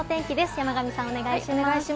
山神さん、お願いします。